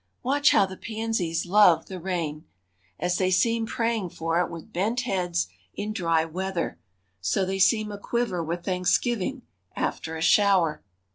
Watch how the pansies love the rain! As they seem praying for it with bent heads in dry weather, so they seem a quiver with thanksgiving after a shower.